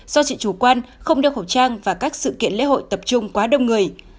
do chị chủ quan không đeo khẩu trang và các sự kiện lễ hội tập trung quá đông người